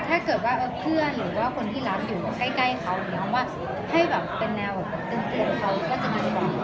ถ้าเกิดว่าเพื่อนหรือว่าคนที่รักอยู่ใกล้เขาอย่างนี้คำว่าให้แบบเป็นแนวแบบเตือนเขาก็จะมาบอก